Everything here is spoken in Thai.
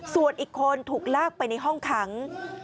ส่วนอีกคนถูกลากไปในห้องขัง